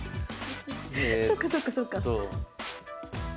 そっかそっかそっか。